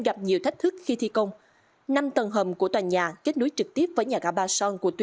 gặp nhiều thách thức khi thi công năm tầng hầm của tòa nhà kết nối trực tiếp với nhà ga ba son của tuyến